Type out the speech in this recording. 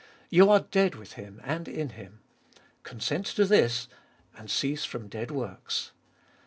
You are dead with Him and in Him. Consent to this, and cease from dead works.